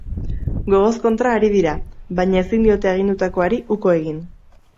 Gogoz kontra ari dira, baina ezin diote aginduari uko egin.